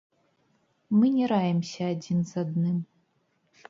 Мы не раімся адзін з адным.